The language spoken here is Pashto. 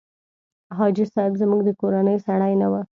حاجي صاحب زموږ د کورنۍ سړی نه و.